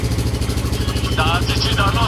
د بيمې خدمات به د هيواد ټولو برخو ته وغځيږي.